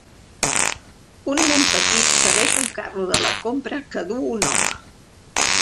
Un nen petit segueix un carro de la compra de duu un home.